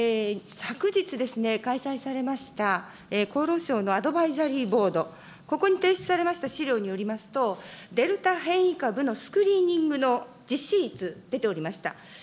昨日開催されました、厚労省のアドバイザリーボード、ここに提出されました資料によりますと、デルタ変異株のスクリーニングの実施率、出ておりました。